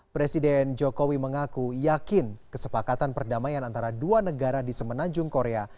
presiden jokowi mengaku yakin kesepakatan perdamaian antara dua negara di semenanjung korea